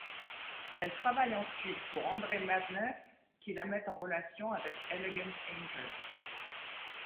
Elle travaille ensuite pour Andre Madness, qui la met en relation avec Elegant Angel.